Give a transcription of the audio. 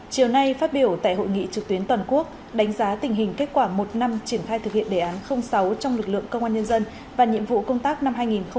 chiều nay phát biểu tại hội nghị trực tuyến toàn quốc đánh giá tình hình kết quả một năm triển khai thực hiện đề án sáu trong lực lượng công an nhân dân và nhiệm vụ công tác năm hai nghìn hai mươi